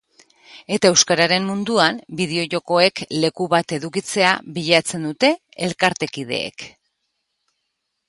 eta euskararen munduan bideojokoek leku bat edukitzea bilatzen dute elkartekideek